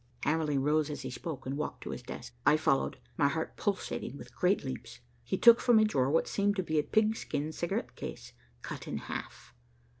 '" Hamerly rose as he spoke and walked to his desk. I followed, my heart pulsating with great leaps. He took from a drawer what seemed to be a pigskin cigarette case, cut in half.